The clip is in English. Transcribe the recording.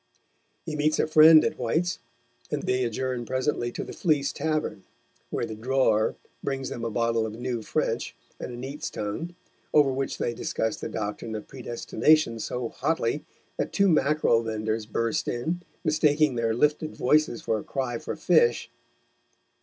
He meets a friend at White's, and they adjourn presently to the Fleece Tavern, where the drawer brings them a bottle of New French and a neat's tongue, over which they discuss the doctrine of predestination so hotly that two mackerel vendors burst in, mistaking their lifted voices for a cry for fish.